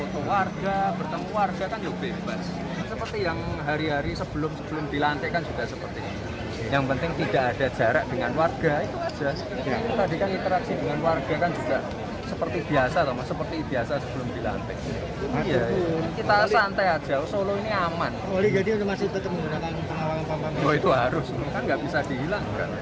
tidak ada protokol air yang bisa memisahkan dirinya dengan warga